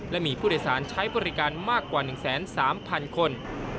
และมีผู้โดยสารใช้บริการมากกว่า๑๓๐๐๐คน